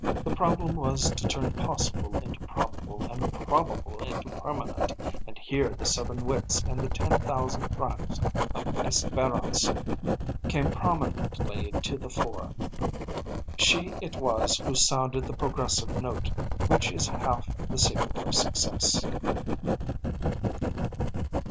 The problem was to turn possible into probable, and probable into permanent; and here the seven wits and the ten thousand francs of Espérance came prominently to the fore. She it was who sounded the progressive note, which is half the secret of success.